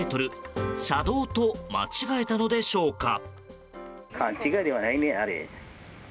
車道と間違えたのでしょうか。